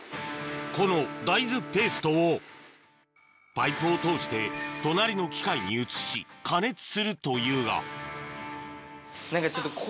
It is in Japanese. この大豆ペーストをパイプを通して隣の機械に移し加熱するというが何かちょっと。